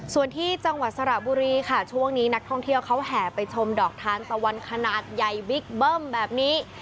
ส่วนที่จังหวัดสระบุรีค่ะช่วงนี้นักท่องเที่ยวเขาแห่ไปชมดอกทานตะวันขนาดใหญ่บิ๊กเบิ้มแบบนี้